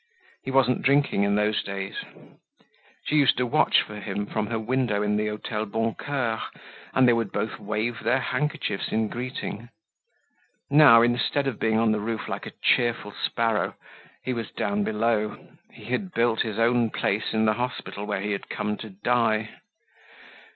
He wasn't drinking in those days. She used to watch for him from her window in the Hotel Boncoeur and they would both wave their handkerchiefs in greeting. Now, instead of being on the roof like a cheerful sparrow, he was down below. He had built his own place in the hospital where he had come to die.